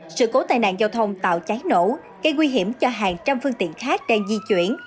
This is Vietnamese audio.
sự cố tai nạn giao thông tạo cháy nổ gây nguy hiểm cho hàng trăm phương tiện khác đang di chuyển